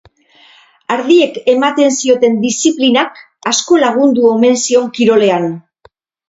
Ardiek ematen zioten disziplinak asko lagundu omen zion kirolean.